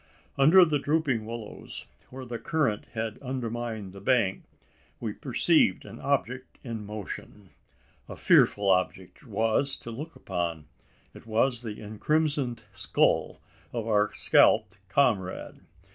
Under the drooping willows, where the current had undermined the bank, we perceived an object in motion. A fearful object it was to look upon: it was the encrimsoned skull of our scalped comrade!